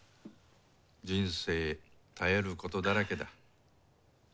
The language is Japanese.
人生耐えることだらけだ。